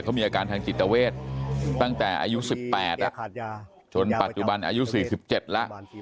เขามีอาการทางจิตเวทตั้งแต่อายุ๑๘จนปัจจุบันอายุ๔๗แล้ว